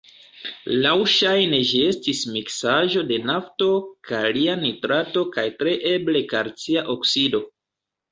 Laŭŝajne ĝi estis miksaĵo da nafto, kalia nitrato kaj tre eble kalcia oksido.